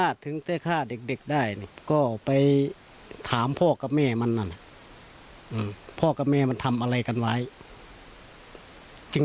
เตี๋ยวเตะข้างล่าง